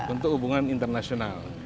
untuk hubungan internasional